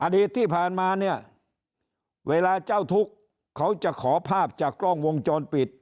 ที่ผ่านมาเนี่ยเวลาเจ้าทุกข์เขาจะขอภาพจากกล้องวงจรปิด